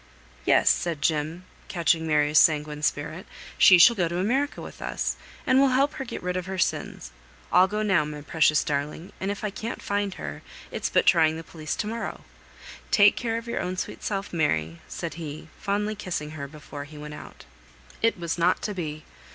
"Yes!" said Jem, catching Mary's sanguine spirit; "she shall go to America with us; and we'll help her to get rid of her sins. I'll go now, my precious darling, and if I can't find her, it's but trying the police to morrow. Take care of your own sweet self, Mary," said he, fondly kissing her before he went out. It was not to be.